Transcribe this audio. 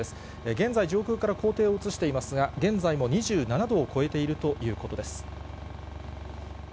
現在、上空から校庭を映していますが、現在も２７度を超えているということです。